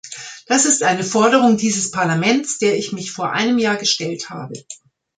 Das ist eine Forderung dieses Parlaments, der ich mich vor einem Jahr gestellt habe.